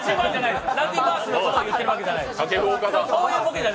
ランディ・バースのこと言ってるわけじゃないです。